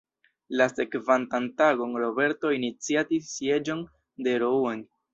La sekvantan tagon Roberto iniciatis sieĝon de Rouen.